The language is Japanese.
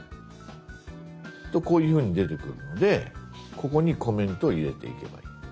こういうふうに出てくるのでここにコメントを入れていけばいい。